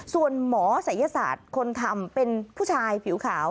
ส่วนหมอศัยศาสตร์คนทำเป็นผู้ชายผิวขาว